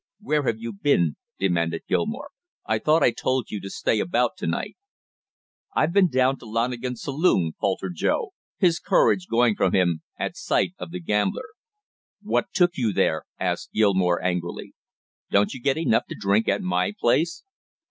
"Where have you been?" demanded Gilmore. "I thought I told you to stay about to night!" "I have been down to Lonigan's saloon," faltered Joe, his courage going from him at sight of the gambler. "What took you there?" asked Gilmore angrily. "Don't you get enough to drink at my place?"